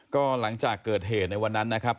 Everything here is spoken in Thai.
ก็หลังจากเกิดเหตุในวันนั้นนะครับ